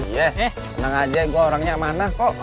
yeh tenang aja gue orangnya amanah kok